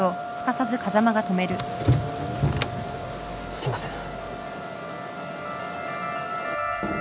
すいません。